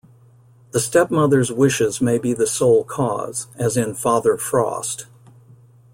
The stepmother's wishes may be the sole cause, as in Father Frost.